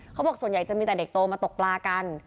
เขาบอกส่วนใหญ่จะมีแต่เด็กโตมาตกปลากัน